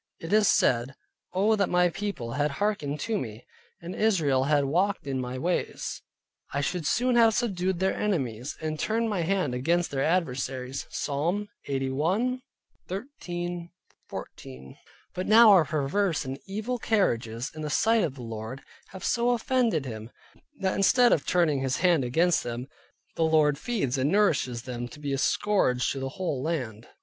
It is said, "Oh, that my People had hearkened to me, and Israel had walked in my ways, I should soon have subdued their Enemies, and turned my hand against their Adversaries" (Psalm 81.13 14). But now our perverse and evil carriages in the sight of the Lord, have so offended Him, that instead of turning His hand against them, the Lord feeds and nourishes them up to be a scourge to the whole land.